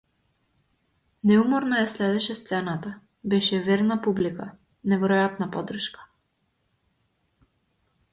Неуморно ја следеше сцената, беше верна публика, неверојатна поддршка.